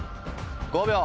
５秒。